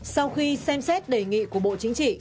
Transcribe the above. sau khi xem xét đề nghị của bộ chính trị